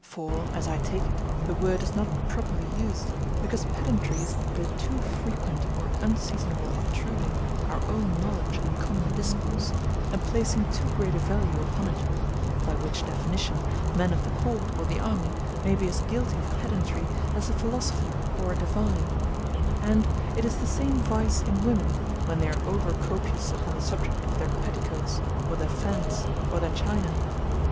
For, as I take it, the word is not properly used; because pedantry is the too frequent or unseasonable obtruding our own knowledge in common discourse, and placing too great a value upon it; by which definition, men of the court or the army may be as guilty of pedantry as a philosopher or a divine; and, it is the same vice in women, when they are over copious upon the subject of their petticoats, or their fans, or their china.